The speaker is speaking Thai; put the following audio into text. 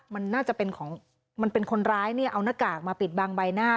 มันน่าจะเป็นของมันเป็นคนร้ายเนี่ยเอาหน้ากากมาปิดบังใบหน้า